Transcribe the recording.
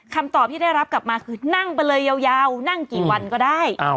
คำตอบที่ได้รับกลับมาคือนั่งไปเลยยาวนั่งกี่วันก็ได้